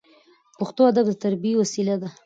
پښتو ادب د تربیې وسیله ده.